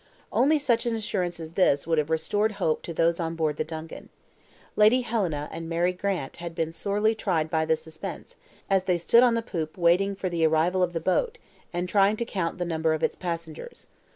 Only such an assurance as this would have restored hope to those on board the DUNCAN. Lady Helena and Mary Grant had been sorely tried by the suspense, as they stood on the poop waiting for the arrival of the boat, and trying to count the number of its passengers.